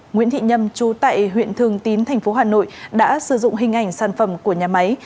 nguyễn thị nhâm chú tại huyện thường tín tp hà nội đã sử dụng hình ảnh sản phẩm của nhà máy